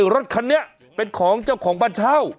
รถคันนี้เป็นของเจ้าของบ้านเช่า